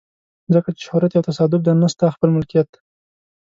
ځکه چې شهرت یو تصادف دی نه ستا خپله ملکیت.